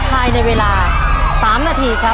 ภายในเวลา๓นาทีครับ